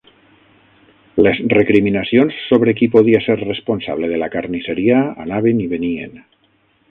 Les recriminacions sobre qui podia ser responsable de la carnisseria anaven i venien.